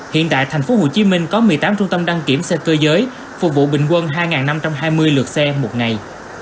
hiện tại tp hcm có một mươi tám trung tâm đăng kiểm xe cơ giới phục vụ bình quân hai năm trăm hai mươi lượt xe một ngày